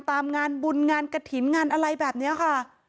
ตามงานบุญงานกระถิ่นงานอะไรแบบนี้ค่ะ